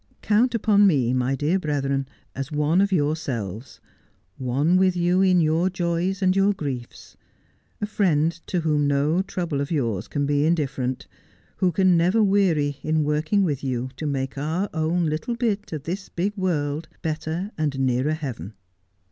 Count upon me, my dear brethren, as one of yourselves, one with you in your joys and your griefs, a friend to whom no trouble of yours can be indifferent, who can never weary in working with you to make our own little bit of this big world better and nearer heaven.